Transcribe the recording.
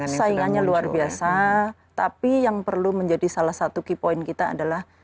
karena kita saingannya luar biasa tapi yang perlu menjadi salah satu key point kita adalah